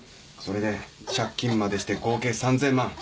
それで借金までして合計３，０００万